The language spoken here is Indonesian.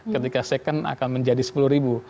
ketika second akan menjadi sepuluh ribu